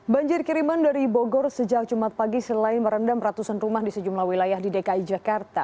banjir kiriman dari bogor sejak jumat pagi selain merendam ratusan rumah di sejumlah wilayah di dki jakarta